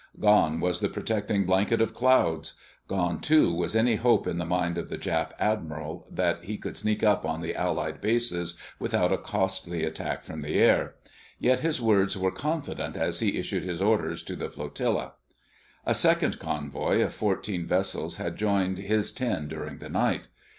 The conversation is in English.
Gone was the protecting blanket of clouds. Gone, too, was any hope in the mind of the Jap admiral that he could sneak up on the Allied bases without a costly attack from the air. Yet his words were confident as he issued his orders to the flotilla. A second convoy of fourteen vessels had joined his ten during the night.